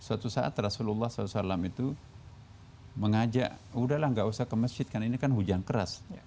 suatu saat rasulullah saw itu mengajak udahlah nggak usah ke masjid karena ini kan hujan keras